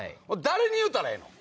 誰に言うたらええの？